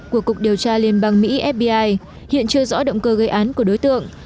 của cục điều tra liên bang mỹ fbi hiện chưa rõ động cơ gây án của đối tượng